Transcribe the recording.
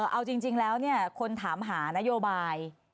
เอาจริงแล้วคนถามหานโยบาย